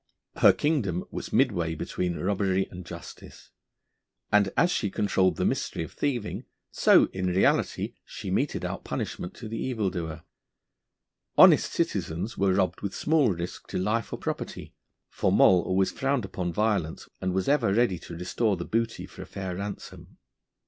Her kingdom was midway between robbery and justice. And as she controlled the mystery of thieving so, in reality, she meted out punishment to the evildoer. Honest citizens were robbed with small risk to life or property. For Moll always frowned upon violence, and was ever ready to restore the booty for a fair ransom.